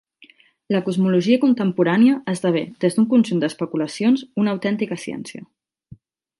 La cosmologia contemporània esdevé, des d'un conjunt d'especulacions, una autèntica ciència.